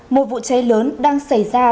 một vụ cháy lớn đang xảy ra